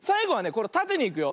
これたてにいくよ。